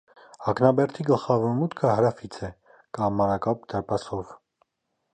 Ակնաբերդի գլխավոր մուտքը հարավից է՝ կամարակապ դարպասով։